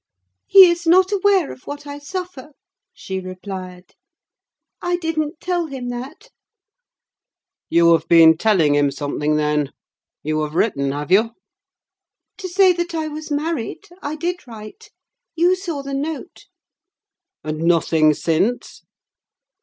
"He is not aware of what I suffer," she replied. "I didn't tell him that." "You have been telling him something, then: you have written, have you?" "To say that I was married, I did write—you saw the note." "And nothing since?"